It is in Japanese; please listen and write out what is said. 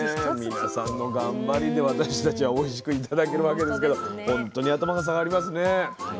皆さんの頑張りで私たちはおいしく頂けるわけですけど本当に頭が下がりますね。